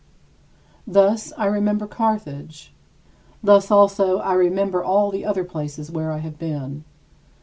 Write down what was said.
Thus I remember Carthage; thus, also, I remember all the other places where I have been.